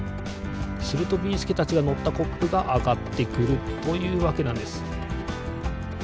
するとビーすけたちがのったコップがあがってくるというわけなんです。